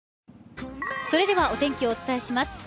それではお天気をお伝えします。